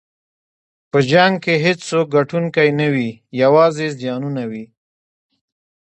په جنګ کې هېڅوک ګټونکی نه وي، یوازې زیانونه وي.